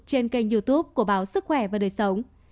trên kênh youtube của báo sức khỏe và đời sống